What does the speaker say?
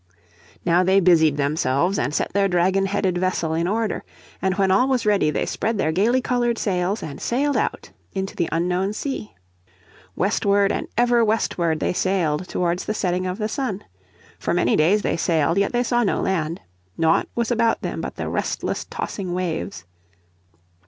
Now they busied themselves and set their dragon headed vessel in order. And when all was ready they spread their gaily coloured sails, and sailed out into the unknown sea. Westward and ever westward they sailed towards the setting of the sun. For many days they sailed yet they saw no land: nought was about them but the restless, tossing waves.